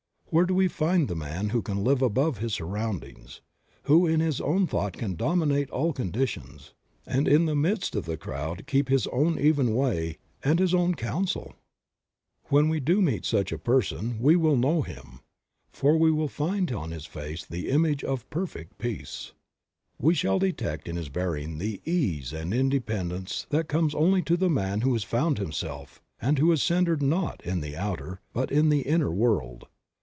Where do we find the man who can live above his surroundings, who in his own thought can dominate all conditions, and in the midst of the crowd keep his own even way, and his own counsel? When we do meet with such a person we will know him; for we shall find on his face the image of perfect peace. We shall detect in his bearing the ease and independence that comes only to the man who has found himself and who is centered not in the outer but in the inner world.